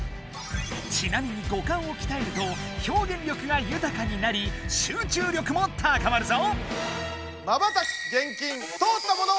ちなみに五感をきたえると表現力が豊かになり集中力も高まるぞ！